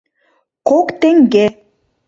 Кок теҥге.